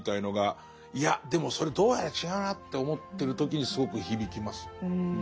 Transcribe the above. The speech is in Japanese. いやでもそれどうやら違うなって思ってる時にすごく響きます。